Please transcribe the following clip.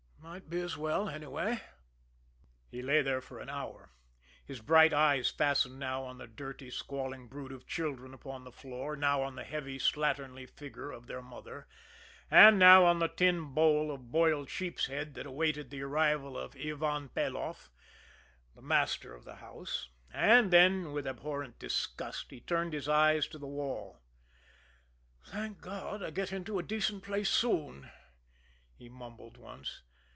Might be as well, anyway." He lay there for an hour, his bright eyes fastened now on the dirty, squalling brood of children upon the floor, now on the heavy, slatternly figure of their mother, and now on the tin bowl of boiled sheep's head that awaited the arrival of Ivan Peloff, the master of the house and then, with abhorrent disgust, he turned his eyes to the wall. "Thank God, I get into a decent place soon!" he mumbled once.